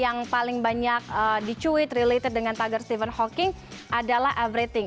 yang paling banyak dicuit related dengan tagar stephen hawking adalah everything